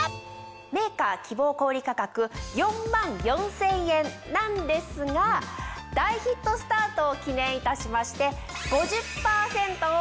メーカー希望小売価格４万４０００円なんですが大ヒットスタートを記念いたしまして。